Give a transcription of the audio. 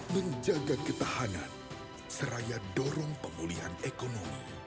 menjaga ketahanan seraya dorong pemulihan ekonomi